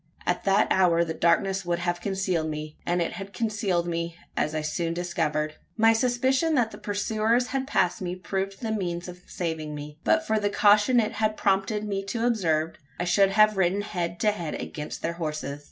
At that hour the darkness would have concealed me. And it had concealed me, as I soon after discovered. My suspicion that the pursuers had passed me proved the means of saving me. But for the caution it had prompted me to observe, I should have ridden head to head against their horses!